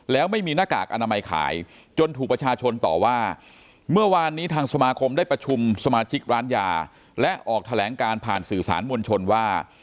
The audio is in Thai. แล้วไม่มีหน้ากากอนามัยขายจนถูกประชาชนต่อว่าเมื่อวานนี้ทางสมาคมได้ประชุมสมาชิกร้านยาและออกแถลงการผ่านสื่อสารมวลชนว่า